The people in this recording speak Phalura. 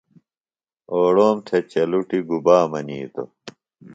اوڑوم تھےۡچلٹُیۡ گُبا منیتوۡ؟